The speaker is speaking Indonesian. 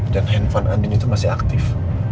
dan handphone andin itu masih aktif